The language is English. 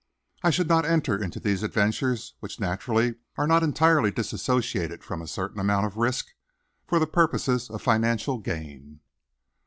I should not enter into these adventures, which naturally are not entirely dissociated from a certain amount of risk, for the purposes of financial gain."